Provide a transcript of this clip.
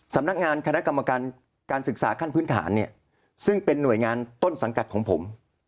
สำนักงานคณะกรรมการการศึกษาขั้นพื้นฐานเนี่ยซึ่งเป็นหน่วยงานต้นสังกัดของผม